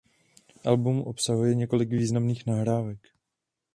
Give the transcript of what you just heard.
Album obsahuje několik významných nahrávek.